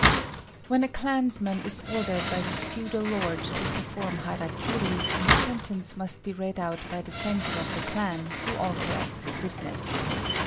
When a clansman is ordered by his feudal lord to perform hara kiri, the sentence must be read out by the censor of the clan, who also acts as witness.